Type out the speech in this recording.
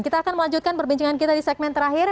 kita akan melanjutkan perbincangan kita di segmen terakhir